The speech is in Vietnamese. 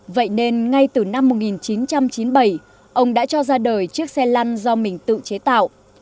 vậy nên ngay từ năm một nghìn chín trăm chín mươi bảy ông đã cho ra đời chiếc xe lăn do mình tự chế tạo